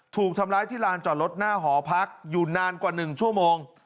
ถูกทำร้ายที่ลานจอดรถหน้าหอพักอยู่นานกว่า๑ชั่วโมง